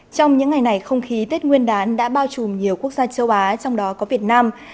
trong những ngày này không khí tết nguyên đán đã bao trùm nhiều quốc gia châu á trong đó có việt nam